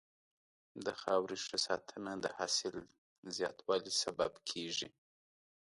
د خاورې ښه ساتنه د حاصل زیاتوالي سبب کېږي.